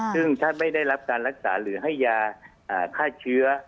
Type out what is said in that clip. ซึ่งท่านไม่ได้รับการรักษาหรือให้ยาฆ่าเชื้อ